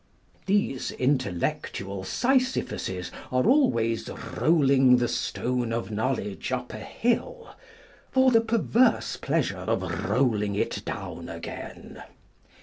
These intellectual Sysiphuses are always rolling the stone of knowledge up a hill, for the perverse pleasure of rolling it down again.